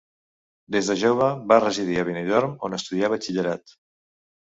Des de jove va residir a Benidorm on estudià batxillerat.